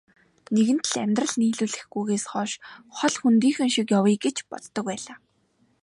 Нэгэнт л амьдрал нийлүүлэхгүйгээс хойш хол хөндийхөн шиг явъя гэж боддог байлаа.